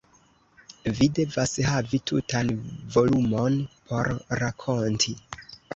Vi devas havi tutan volumon por rakonti.